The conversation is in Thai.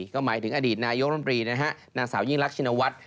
ก็หมายถึงอดีตนายกรมรีนะฮะนางสาวยิ่งรักชินวัฒน์